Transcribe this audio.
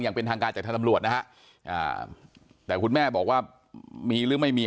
การจากทางตำรวจนะฮะแต่คุณแม่บอกว่ามีหรือไม่มี